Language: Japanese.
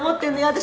私